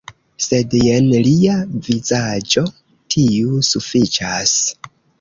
Sed jen lia vizaĝo - tiu sufiĉas